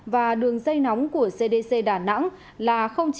và đường dây nóng của cdc đà nẵng là chín trăm linh năm một trăm linh tám tám trăm bốn mươi bốn